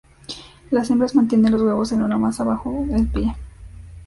Las hembras mantienen los huevos en una masa bajo el pie.